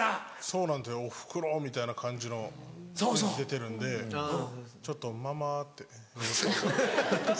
そうなんですよ「お袋」みたいな感じの雰囲気出てるんでちょっと「ママ」って呼ぶと。